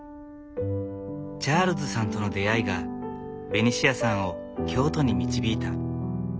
チャールズさんとの出会いがベニシアさんを京都に導いた。